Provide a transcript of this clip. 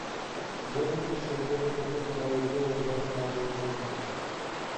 "Rzekłbyś, że człowiek oto podaje dzieło Boże na urągowisko."